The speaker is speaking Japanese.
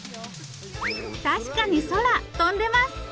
確かに空飛んでます！